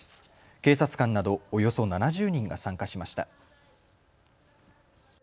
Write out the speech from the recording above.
警察官などおよそ７０人が参加しました。